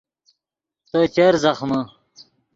تو چر زخمے